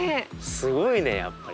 すごいねやっぱり。